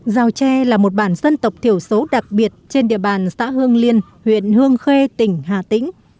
giao tre là một bản dân tộc thiểu số đặc biệt trên địa bàn xã hương liên huyện hương khê tỉnh hà tĩnh